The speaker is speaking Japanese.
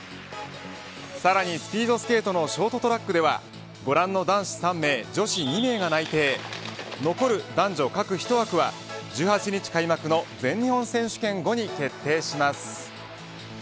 さらにスピードスケートのショートトラックではご覧の男子３名、女子２名が内定残る男女各１枠は１８日開幕の全日本選手権後に決定します。